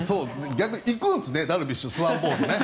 逆に行くんですねダルビッシュ、スワンボートね。